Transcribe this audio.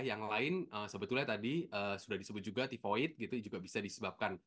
yang lain sebetulnya tadi sudah disebut juga tivoid gitu juga bisa disebabkan